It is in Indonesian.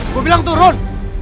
gua bilang turun